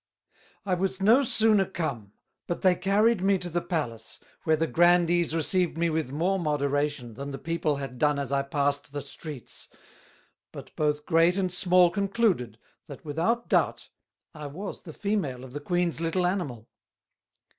I was no sooner come, but they carryed me to the Palace, where the Grandees received me with more Moderation, than the people had done as I passed the streets: but both great and small concluded, that without doubt I was the Female of the Queen's little Animal.